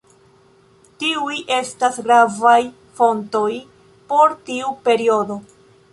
Tiuj estas gravaj fontoj por tiu periodo.